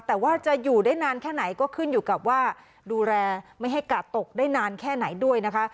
แต่ว่าจะอยู่ได้นานแค่ไหนก็ขึ้นอยู่กับว่าดูแลไม่ให้กาดตกได้นานแค่ไหนด้วยนะคะ